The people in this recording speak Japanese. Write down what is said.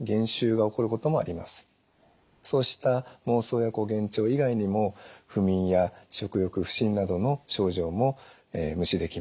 そうした妄想や幻聴以外にも不眠や食欲不振などの症状も無視できません。